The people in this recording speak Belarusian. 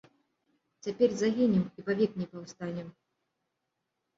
Цяпер загінем і павек не паўстанем.